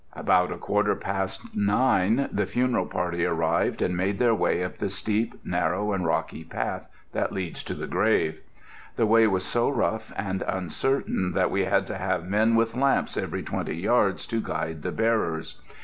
About a quarter past nine the funeral party arrived and made their way up the steep, narrow, and rocky path that leads to the grave. The way was so rough and uncertain that we had to have men with lamps every twenty yards to guide the bearers.